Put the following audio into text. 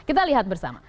kita lihat bersama